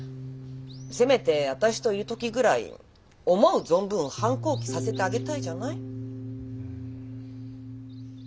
せめて私といる時ぐらい思う存分反抗期させてあげたいじゃない。